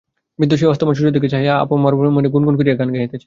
বৃদ্ধ সেই অস্তমান সূর্যের দিকে চাহিয়া আপনার মনে গুন গুন করিয়া গান গাহিতেছেন।